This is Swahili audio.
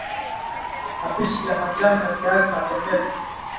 Mapishi ya majani ya viazi Matembele